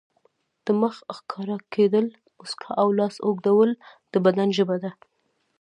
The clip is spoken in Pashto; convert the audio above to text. د مخ ښکاره کېدل، مسکا او لاس اوږدول د بدن ژبه ده.